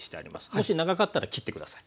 もし長かったら切って下さい。